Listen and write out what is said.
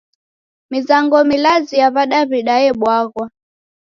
Mizango milazi ya w'adaw'ida ebwaghwa.